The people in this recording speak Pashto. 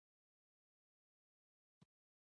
دا په یوه زرو اتو سوو اته نوېم کال په ډسمبر کې شوې وه.